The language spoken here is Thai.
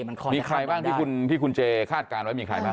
มีใครบ้างที่คุณเจคาดการณ์ไว้